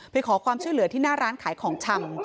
ไปขอความช่วยเหลือที่หน้าร้านขายของชำ